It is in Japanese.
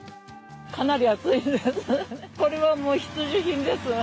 かなり暑いですね。